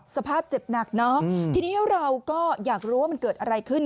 สภาพเจ็บหนักเนอะทีนี้เราก็อยากรู้ว่ามันเกิดอะไรขึ้น